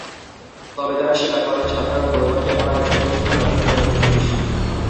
তবে তাঁরা স্বীকার করেন, সাধারণ বইপত্রে পড়া বিষয়বস্তুই তাঁদের মনে থাকে বেশি।